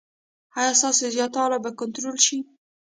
ایا ستاسو زیاتوالی به کنټرول شي؟